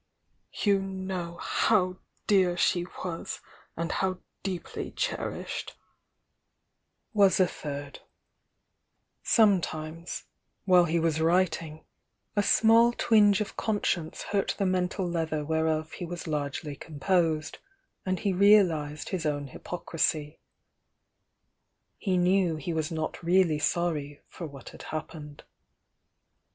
'You know how dear she was and how deep ly cherished !" was a third. Sometimes, while he was wntmg, a small twinge of conscience hurt the men tal leather whereof he was largely composed, and he reahsed his own hypocrisy. He knew he waa not really sorry for what had happened.